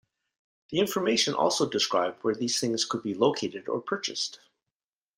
The information also described where these things could be located or purchased.